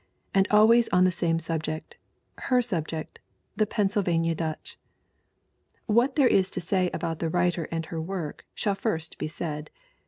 And always on the same subject her subject the Pennsylvania Dutch. What there is to say about the writer and her work shall first be said.